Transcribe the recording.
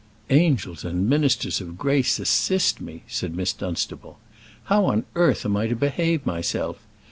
"Angels and ministers of grace, assist me!" said Miss Dunstable. "How on earth am I to behave myself?